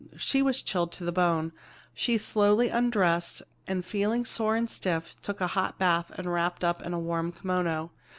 She was chilled to the bone. She slowly undressed, and feeling sore and stiff, took a hot bath and wrapped up in a warm kimono.